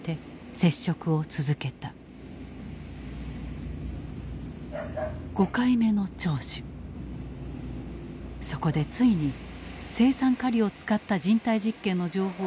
そこでついに青酸カリを使った人体実験の情報を引き出した。